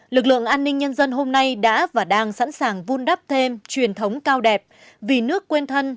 lực lượng an ninh nhân dân hôm nay đã và đang sẵn sàng vun đắp thêm truyền thống cao đẹp vì nước quên thân